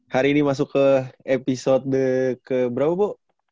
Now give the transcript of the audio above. hari ini masuk ke episode ke berapa bu